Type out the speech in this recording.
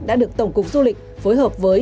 đã được tổng cục du lịch phối hợp với